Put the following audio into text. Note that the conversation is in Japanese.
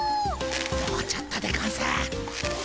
もうちょっとでゴンス。